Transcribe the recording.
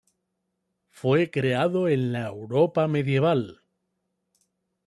Fue creado en la Europa medieval.